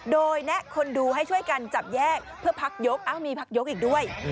โดยแนะคนดูให้ช่วยกันจับแยกเพื่อพักยกมีพักยกอีกด้วย